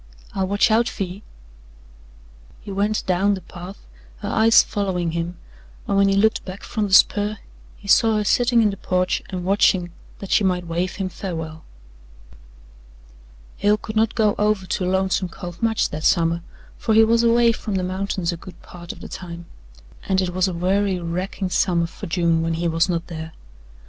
I'll watch out fer ye." He went down the path, her eyes following him, and when he looked back from the spur he saw her sitting in the porch and watching that she might wave him farewell. Hale could not go over to Lonesome Cove much that summer, for he was away from the mountains a good part of the time, and it was a weary, racking summer for June when he was not there.